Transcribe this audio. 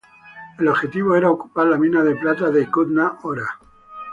El objetivo era ocupar la mina de plata de "Kutna-Hora".